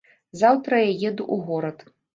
Заўтра я еду ў горад.